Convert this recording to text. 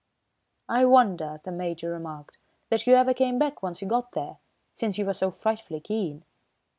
"I wonder," the Major remarked, "that you ever came back once you got there, since you were so frightfully keen."